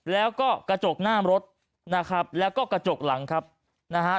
แล้วก็กระจกหน้ารถนะครับแล้วก็กระจกหลังครับนะฮะ